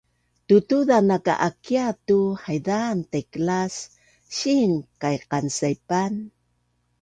Tutuza naak a akia tu haizaan taiklas siin kaiqansaipan